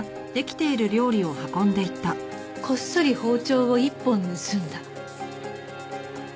こっそり包丁を１本盗んだ。